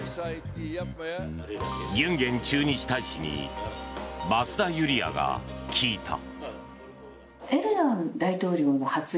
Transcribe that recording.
ギュンゲン駐日大使に増田ユリヤが聞いた。